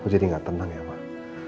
kok aku jadi gak tenang ya mbak